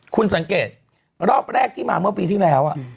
คุณสังเกตรอบแรกที่มาเมื่อปีที่แล้ว